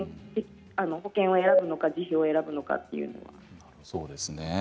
保険を選ぶのか自費を選ぶのかというのは。